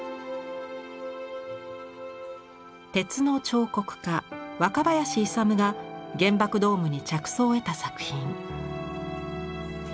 鉄の彫刻家若林奮が原爆ドームに着想を得た作品。